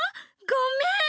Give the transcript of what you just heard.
ごめん！